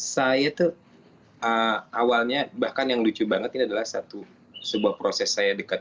saya tuh awalnya bahkan yang lucu banget ini adalah satu sebuah proses saya dekat